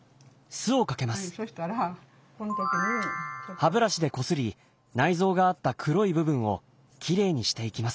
歯ブラシでこすり内臓があった黒い部分をキレイにしていきます。